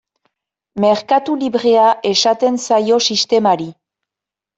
Merkatu librea esaten zaio sistemari.